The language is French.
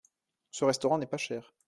Ce restaurant n’est pas cher.